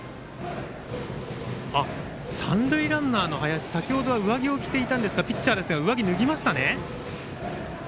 三塁ランナーの林先ほどは上着を着ていましたがピッチャーですが上着を脱ぎましたね。